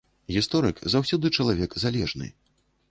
Гісторык заўсёды чалавек залежны.